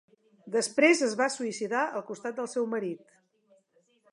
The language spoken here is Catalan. Després es va suïcidar al costat del seu marit.